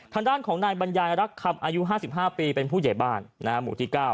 ทางด้านของนายบรรยายรักคำอายุ๕๕ปีเป็นผู้ใหญ่บ้านหมู่ที่๙